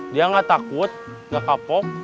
dia gak takut gak kapok